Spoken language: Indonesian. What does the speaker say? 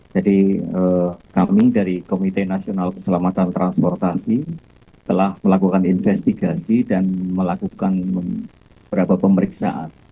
jadi kami dari komite nasional keselamatan transportasi telah melakukan investigasi dan melakukan beberapa pemeriksaan